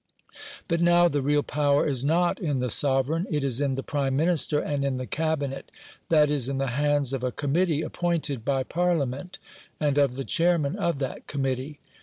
But now the real power is not in the Sovereign, it is in the Prime Minister and in the Cabinet that is, in the hands of a committee appointed by Parliament, and of the chairman of that committee.